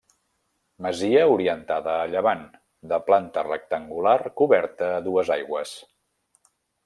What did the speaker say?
Masia orientada a llevant, de planta rectangular coberta a dues aigües.